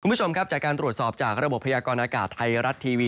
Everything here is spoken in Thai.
คุณผู้ชมครับจากการตรวจสอบจากระบบพยากรณากาศไทยรัฐทีวี